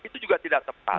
itu juga tidak tepat